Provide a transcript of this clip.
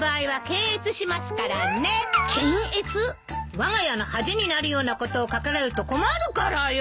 わが家の恥になるようなことを書かれると困るからよ。